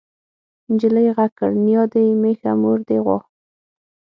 نجلۍ غږ کړ نيا دې مېښه مور دې غوا.